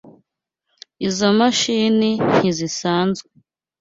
Izoi mashini ntisanzwe.